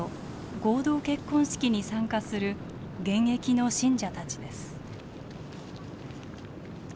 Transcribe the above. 合同結婚式に参加する現役の信者たちです。